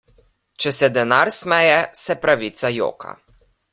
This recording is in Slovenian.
Če se denar smeje, se pravica joka.